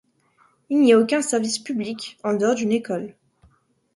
Il n'y a aucun service public, en dehors d'une école.